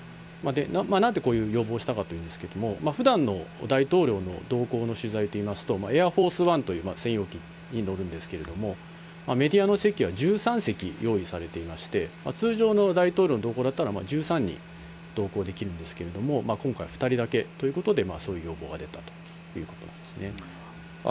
なんでこういう要望をしたかといいますけど、ふだんの大統領の動向の取材といいますと、エアフォースワンという専用機に乗るんですけれども、メディアの席は１３席用意されていまして、通常の大統領の同行だったら１３人同行できるんですけれども、今回は２人だけということで、そういう要望が出たということなんですね。